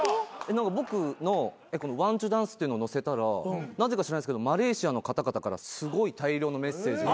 僕のワンチュッダンスっていうのを載せたらなぜか知らないですけどマレーシアの方々からすごい大量のメッセージが。